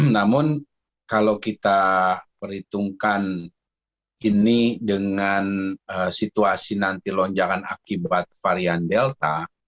namun kalau kita perhitungkan ini dengan situasi nanti lonjakan akibat varian delta